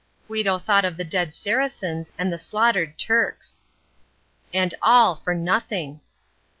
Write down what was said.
Guido thought of the dead Saracens and the slaughtered Turks. And all for nothing!